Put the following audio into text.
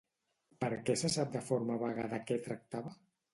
Per què se sap de forma vaga de què tractava?